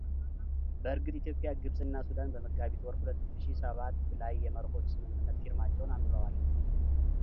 በእርግጥ ኢትዮጵያ ግብፅ እና ሱዳን በመጋቢት ወር ሁለት ሺ ሰባት ላይ የመርሆዎች ስምምነት ፊርማቸውን አኑረዋል።